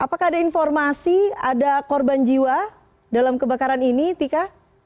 apakah ada informasi ada korban jiwa dalam kebakaran ini tika